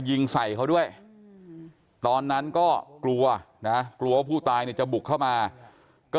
ยิงใส่เขาด้วยตอนนั้นก็กลัวนะกลัวว่าผู้ตายเนี่ยจะบุกเข้ามาก็